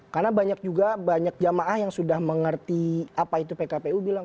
karena banyak juga banyak jamaah yang sudah mengerti apa itu pkpu bilang